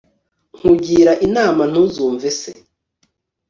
nkugira inama ntuzumve se